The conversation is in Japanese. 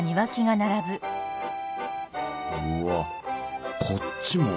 うわこっちも。